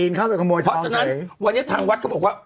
เออปีนเข้าไปขโมยทองเฉยพอจนั้นวันนี้ทางวัดเขาบอกว่า